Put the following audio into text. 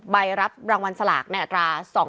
ไปรับรางวัลสลากแนวอัตรา